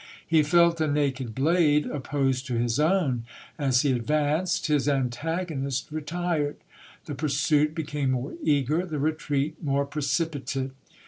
He felt a naked blade opposed to his own. As he advanced, his antagonist re tired. The pursuit became more eager, the retreat more precipitate.